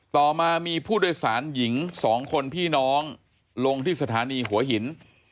ต่อมามีผู้โดยสารหญิง๒คนพี่น้องลงที่สถานีหัวหิน